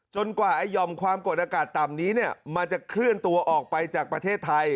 กว่าหย่อมความกดอากาศต่ำนี้มันจะเคลื่อนตัวออกไปจากประเทศไทย